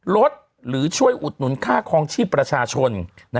หรือช่วยอุดหนุนค่าคลองชีพประชาชน